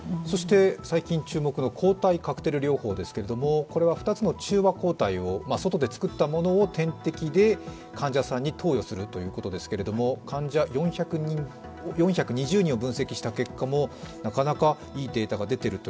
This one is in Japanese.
最近注目の抗体カクテル療法ですけれども、２つの中和抗体を外で作ったものを点滴で患者さんに投与するということですけれども、患者４２０人を分析した結果も、なかなかいいデータが出ているとい